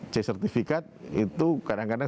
c sertifikat itu kadang kadang